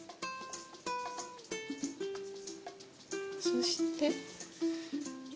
そして。